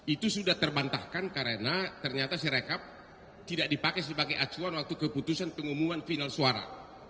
itu sudah terbantahkan karena ternyata sirekap tidak dipakai sebagai acuan waktu keputusan pengumuman final suara